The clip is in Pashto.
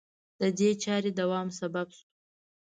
د دې چارې دوام سبب شو